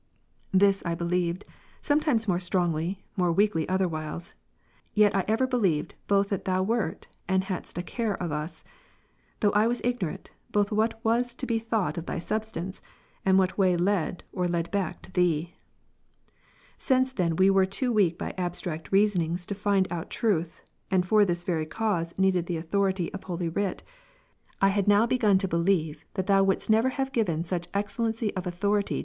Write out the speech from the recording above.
8. This I believed, sometimes more strongly, more weakly other wdiiles; yet I ever believed both that Thou wert, and hadst a care of us ; though I was ignorant, both what was to be thought of Thy substance, and what way led or led back to Thee. Since then we were too weak by abstract reason ings to find out truth : and for this very cause needed the authority of Holy Writ ; I had now begun to believe, that Thou wouldest never have given such excellency of authority '» See Note A : ad fin. 92 Benefit of the lowly form and hidden depths of Scripture. CONF.